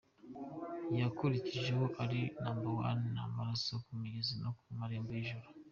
Yakurikijeho Uri number one, Amaraso, Ku migezi no Ku marembo y'ijuru.